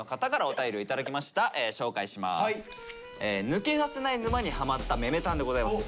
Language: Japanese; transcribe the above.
「ぬけだせない沼にハマっためめ担」でございます。